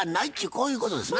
こういうことですな。